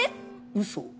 ウソ？